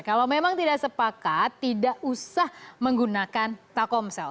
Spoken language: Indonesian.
kalau memang tidak sepakat tidak usah menggunakan telkomsel